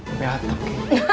sampai atap kayaknya